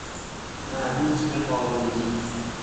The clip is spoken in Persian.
مربوط بقابلگی